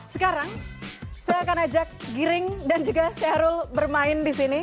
sekarang saya akan ajak giring dan juga syahrul bermain di sini